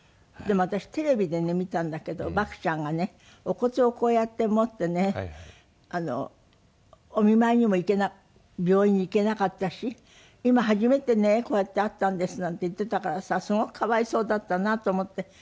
でも私テレビでね見たんだけど獏ちゃんがねお骨をこうやって持ってねお見舞いにも病院に行けなかったし今初めてねこうやって会ったんですなんて言ってたからさすごくかわいそうだったなと思って。